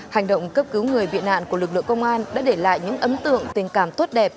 hành động cấp cứu người bị nạn của lực lượng công an đã để lại những ấm tượng tình cảm tốt đẹp